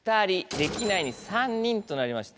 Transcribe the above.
「できない」に３人となりました。